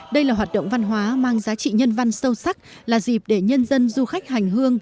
đây là hoạt động văn hóa mang giá trị nhân văn sâu sắc là dịp để nhân dân du khách hành hương